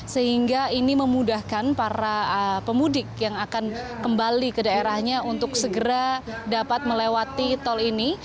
sehingga ini memudahkan para pemudik yang akan kembali ke daerahnya untuk segera dapat melewati tol ini